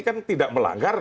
kan tidak melanggar